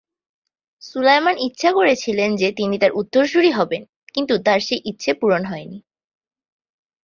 সুলাইমান ইচ্ছা করেছিলেন যে তিনি তাঁর উত্তরসূরি হবেন, কিন্তু তাঁর সেই ইচ্ছে পূরণ হয়নি।